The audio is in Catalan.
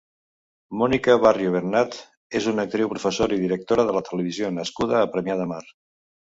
Mònica Barrio Bernat és una actriu, professora i directora de televisió nascuda a Premià de Mar.